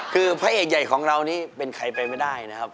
คือพระเอกใหญ่ของเรานี่เป็นใครไปไม่ได้นะครับ